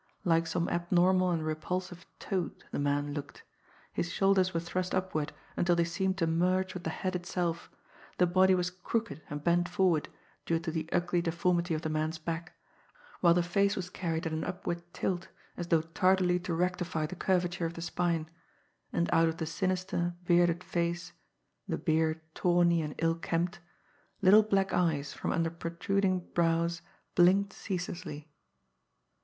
Like some abnormal and repulsive toad the man looked. His shoulders were thrust upward until they seemed to merge with the head itself, the body was crooked and bent forward, due to the ugly deformity of the man's back, while the face was carried at an upward tilt, as though tardily to rectify the curvature of the spine, and out of the sinister, bearded face, the beard tawny and ill kempt, little black eyes from under protruding brows blinked ceaselessly.